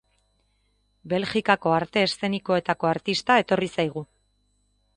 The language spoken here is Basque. Belgikako arte eszenikoetako artista etorri zaigu.